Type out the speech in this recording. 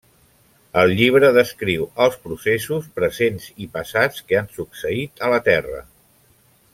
El llibre descriu els processos presents i passats que han succeït a la terra.